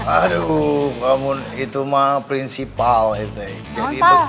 aduh itu mah prinsipal ya teh